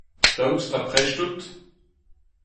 Daoust ha prest out ?